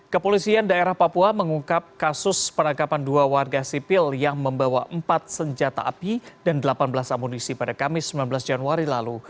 kepolisian daerah papua mengungkap kasus penangkapan dua warga sipil yang membawa empat senjata api dan delapan belas amunisi pada kamis sembilan belas januari lalu